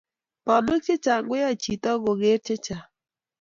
Bonwek che chang' koyae chito ko geer che chang'